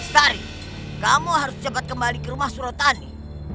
kestari kamu harus cepat kembali ke rumah surotani